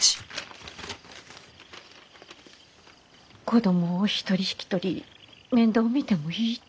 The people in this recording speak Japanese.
子供を１人引き取り面倒を見てもいいって。